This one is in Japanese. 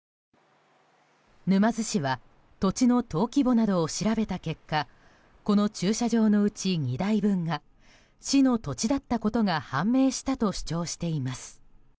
沼津市は土地の登記簿などを調べた結果この駐車場のうち２台分が市の土地だったことが判明したと主張しています。